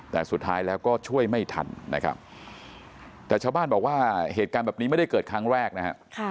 แต่สุดท้ายแล้วก็ช่วยไม่ทันนะครับแต่ชาวบ้านบอกว่าเหตุการณ์แบบนี้ไม่ได้เกิดครั้งแรกนะฮะ